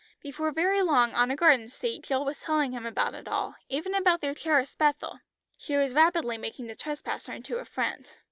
Before very long on a garden seat Jill was telling him about it all, even about their cherished "Bethel." She was rapidly making the trespasser into a friend.